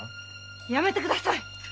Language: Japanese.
やめてください！